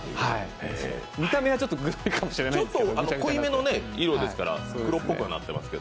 見た目はちょっとグロいかもしれないですけど。